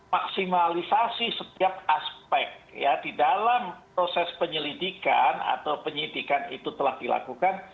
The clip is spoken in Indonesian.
maksimalisasi setiap aspek ya di dalam proses penyelidikan atau penyidikan itu telah dilakukan